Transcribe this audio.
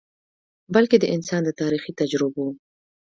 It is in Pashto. بلکه د انسان د تاریخي تجربو ،